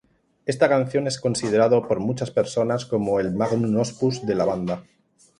Esta canción es considerado por muchas personas como el Magnum Opus de la banda.